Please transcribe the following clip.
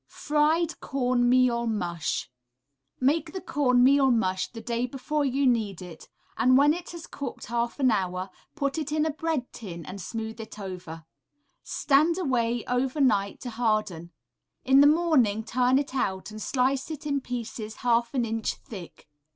Fried Corn meal Mush Make the corn meal mush the day before you need it, and when it has cooked half an hour put it in a bread tin and smooth it over; stand away overnight to harden. In the morning turn it out and slice it in pieces half an inch thick.